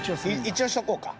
一応しとこうか。